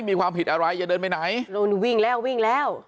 มีความผิดอะไรอย่าเดินไปไหนนู่นวิ่งแล้ววิ่งแล้ว